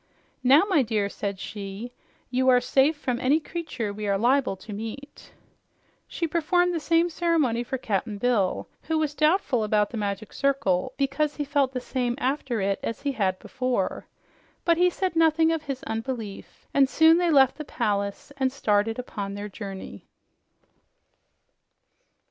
"Now, my dear," said she, "you are safe from any creature we are liable to meet." She performed the same ceremony for Cap'n Bill, who was doubtful about the Magic Circle because he felt the same after it as he had before. But he said nothing of his unbelief, and soon they left the palace and started upon their journey.